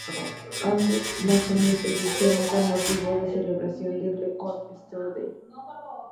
Ambos lanzamientos se hicieron con motivo de la celebración del Record Store Day.